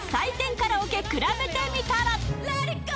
カラオケくらべてみたら。